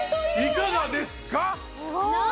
いかがですか！